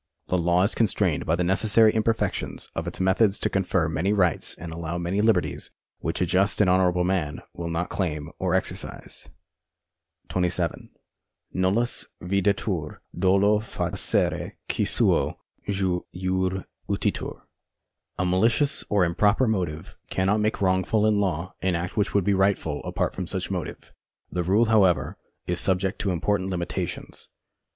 The law is constrained by the necessary imperfections of its methods to confer many rights and allow many liberties which a just and honourable man will not claim or exercise. 27. NuLLUs videtur dolo facere, qui suo jure utitur. D. 50. 17. 55. A malicious or improper motive cannot make wrongful in law an act which would be rightful apart from such motive. The rule, however, is subject to important limitations.